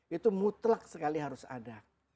itu mutlak sekali harus ada